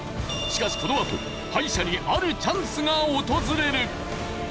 しかしこのあと敗者にあるチャンスが訪れる！